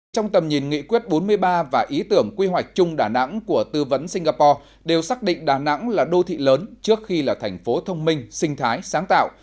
trong tầm nhìn nghị quyết bốn mươi ba và ý tưởng quy hoạch chung đà nẵng của tư vấn singapore đều xác định đà nẵng là đô thị lớn trước khi là thành phố thông minh sinh thái sáng tạo